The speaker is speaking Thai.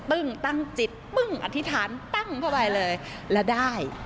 ตั้งจิตปึ้งอธิษฐานปั้งเข้าไปเลยแล้วได้